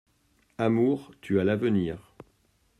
Amour, tu as l'avenir.